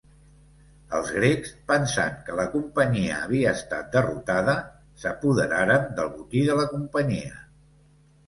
Els grecs, pensant que la Companyia havia estat derrotada, s'apoderaren del botí de la Companyia.